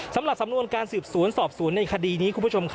สำหรับสำนวนการสืบสวนสอบสวนในคดีนี้